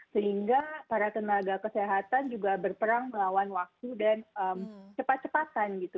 sehingga para tenaga kesehatan juga berperang melawan waktu dan cepat cepatan gitu